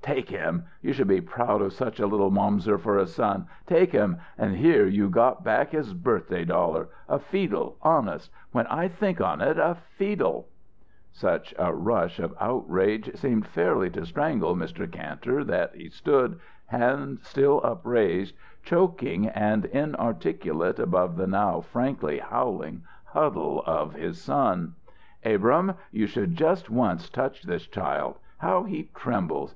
"Take him! You should be proud of such a little Momser for a son! Take him and here you got back his birthday dollar. A feedle! Honest when I think on it a feedle!" Such a rush of outrage seemed fairly to strangle Mr. Kantor that he stood, hand still upraised, choking and inarticulate above the now frankly howling huddle of his son. "Abrahm you should just once touch this child! How he trembles!